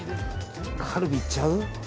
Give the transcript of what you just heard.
カルビいっちゃう？